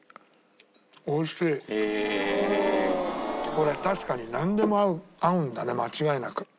これ確かになんでも合うんだね間違いなく。